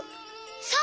そう！